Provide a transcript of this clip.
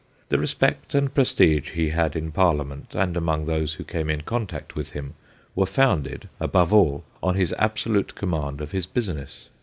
The respect and prestige he had in Parlia ment and among those who came in contact with him were founded, above all, on his absolute command of his business.